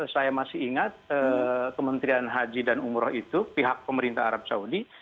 saya masih ingat kementerian haji dan umroh itu pihak pemerintah arab saudi